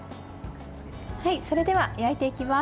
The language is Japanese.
それでは焼いていきます。